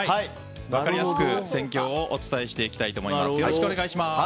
分かりやすく戦況をお伝えしたいと思います。